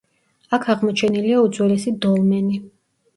აქ აღმოჩენილია უძველესი დოლმენი.